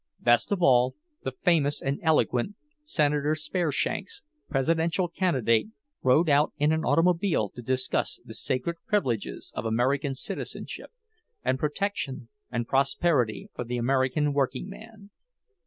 Best of all, the famous and eloquent Senator Spareshanks, presidential candidate, rode out in an automobile to discuss the sacred privileges of American citizenship, and protection and prosperity for the American workingman.